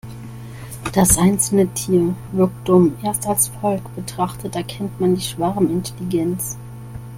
Das einzelne Tier wirkt dumm, erst als Volk betrachtet erkennt man die Schwarmintelligenz.